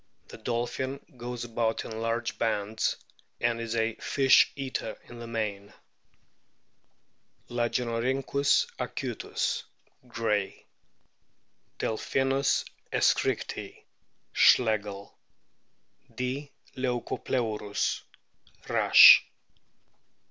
The dolphin goes about in large bands, and is a fish eater in the main. Lagenorhynchus acuhis, Grayt (= Delphinus csch richtii, Schlegel ; D. leucopleurus, Rasch).